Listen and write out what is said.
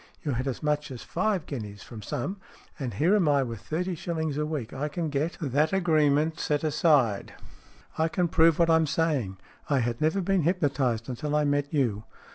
You had as much as five guineas from some. And here am I with thirty shillings a week. I can get 20 STORIES IN GREY that agreement set aside. I can prove what I'm say ing. I had never been hypnotized until I met you."